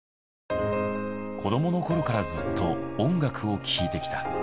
子どものころからずっと音楽を聴いてきた。